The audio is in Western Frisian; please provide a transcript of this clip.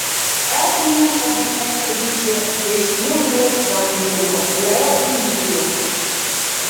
Elkenien op dy ekspedysje wist hiel goed dat men jin op glêd iis bejoech.